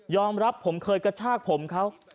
อมรับผมเคยกระชากผมเขา